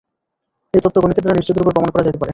এই তত্ত্ব গণিতের দ্বারা নিশ্চিতরূপে প্রমাণ করা যাইতে পারে।